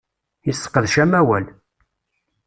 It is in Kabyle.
Yesseqdec amawal.